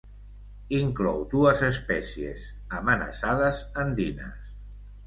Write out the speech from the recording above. Inclou dues espècies amenaçades andines.